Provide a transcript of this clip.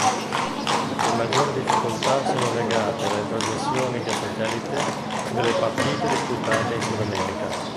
Le maggiori difficoltà sono legate alle trasmissioni via satellite delle partite disputate in Sudamerica.